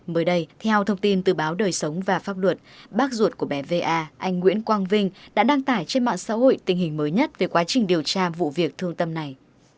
mới đây theo thông tin từ báo đời sống và pháp luật bác ruột của bé va anh nguyễn quang vinh đã đăng tải trên mạng xã hội tình hình mới nhất về quá trình điều tra vụ việc thương tâm này